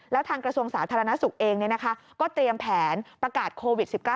แล้วทางกระทรวงสาธารณสุขเองก็เตรียมแผนประกาศโควิด๑๙